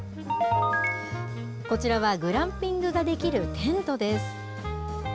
こちらは、グランピングができるテントです。